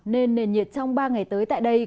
nên nền nhiệt trong ba ngày tới tại đây